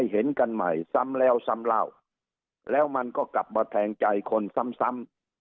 เพราะฉะนั้นก็กลับมาแทงใจคนซ้ำซ้ำ